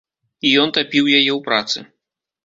І ён тапіў яе ў працы.